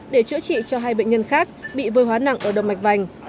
để chữa trị cho hai bệnh nhân khác bị vơi hóa nặng ở đồng mạch vành